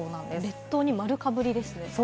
列島に丸かぶりですね。